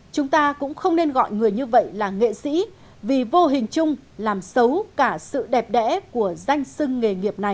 chúng ta cũng không nên gọi người như vậy là nghệ sĩ vì vô hình chung làm xấu cả sự đẹp đẽ của giách